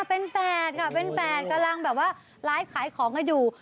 เป็นแฝดกำลังแบบว่าไลฟ์ขายของกันอยู่